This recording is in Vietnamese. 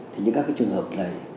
thì những các cái trường hợp này